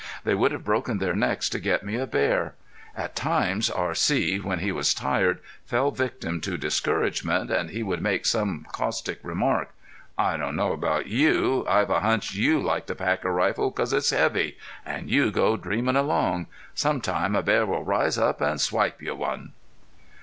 They would have broken their necks to get me a bear. At times R.C. when he was tired fell victim to discouragement and he would make some caustic remark: "I don't know about you. I've a hunch you like to pack a rifle because it's heavy. And you go dreaming along! Sometime a bear will rise up and swipe you one!"